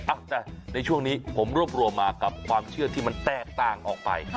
อ่ะแต่ในช่วงนี้ผมรวบรวมมากับความเชื่อที่มันแตกต่างออกไป